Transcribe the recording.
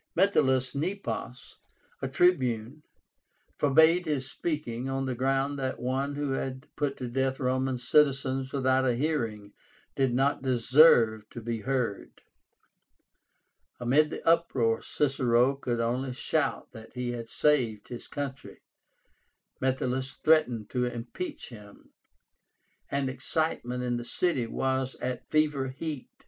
Metellus Nepos, a Tribune, forbade his speaking, on the ground that one who had put to death Roman citizens without a hearing did not deserve to be heard. Amid the uproar Cicero could only shout that he had saved his country. Metellus threatened to impeach him, and excitement in the city was at fever heat.